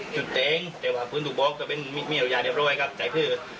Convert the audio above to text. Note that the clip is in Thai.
จุดเต๊งทุกพกมีอนุญาโดยเรียบร้อยกับใจผืน